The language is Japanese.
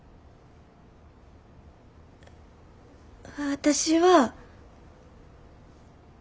私は。